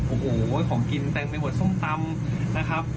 โอ้โหของกินเต็มไปหมดส้มตำนะครับ